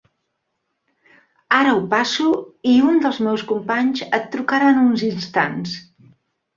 Ara ho passo i un dels meus companys et trucarà en uns instants.